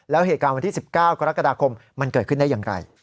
แล้วเหตุการณ์วันที่๑๙กรกฎาคมมันเกิดขึ้นได้อย่างไร